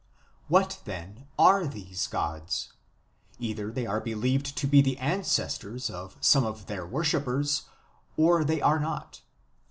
What then are these gods ? Either they are believed to be the ancestors of some of their wor shippers, or they are not.